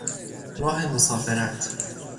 راه مسافرت